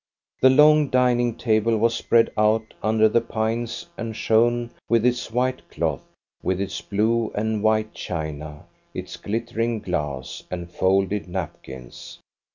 The long dining table was spread out under the pines and shone with its white cloth, with its blue and white china, its glittering glass and folded napkins.